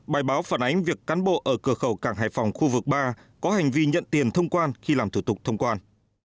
bài báo phản ánh việc cán bộ ở cửa khẩu cảng hải phòng khu vực ba có hành vi nhận tiền thông quan khi làm thủ tục thông quan